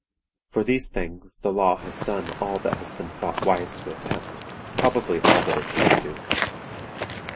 For these things the law has done all that has been thought wise to attempt, probably all that it can do.